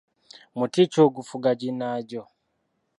Muti ki ogufuga ginnaagyo?